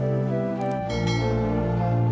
borobyalah eduknya berlalu